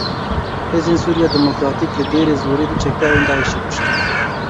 Hêzên Sûriya Demokratîk li Dêre Zorê du çekdarên Daişê kuştin.